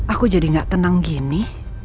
aku jadi gak tenang gini